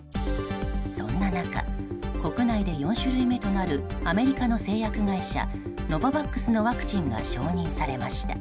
そんな中、国内で４種類目となるアメリカの製薬会社ノババックスのワクチンが承認されました。